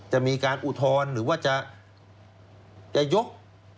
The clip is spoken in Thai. มีการอุทธรณ์หรือว่าจะยก